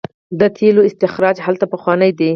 د تیلو استخراج هلته پخوانی دی.